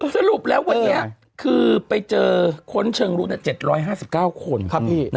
สรุปแล้ววันนี้คือไปเจอค้นเชิงรุก๗๕๙คน